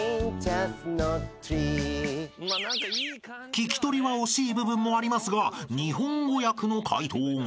［聞き取りは惜しい部分もありますが日本語訳の解答が］